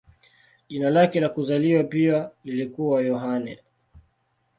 Jina lake la kuzaliwa pia lilikuwa Yohane.